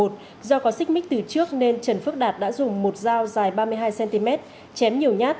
do có xích mích từ trước nên trần phước đạt đã dùng một dao dài ba mươi hai cm chém nhiều nhát